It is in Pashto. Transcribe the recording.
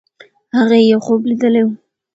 هغې یو خوب لیدلی وو.